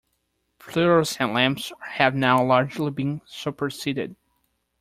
Fluorescent lamps have now largely been superseded